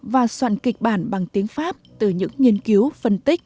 và soạn kịch bản bằng tiếng pháp từ những nghiên cứu phân tích